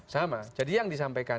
sama jadi yang disampaikan